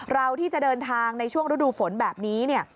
เราที่จะเดินทางในช่วงฤดูฝนแบบนี้เนี่ย